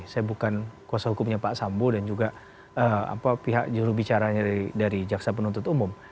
saya bukan kuasa hukumnya pak sambo dan juga pihak jurubicaranya dari jaksa penuntut umum